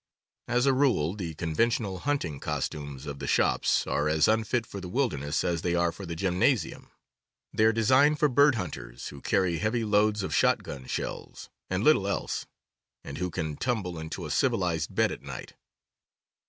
As a rule, the conventional hunting costumes of the shops are as unfit for the wilderness as they are for the gymnasium. They are designed for bird hunters, who carry heavy loads of shotgun shells, and little else, and who can tumble into a civilized bed at night.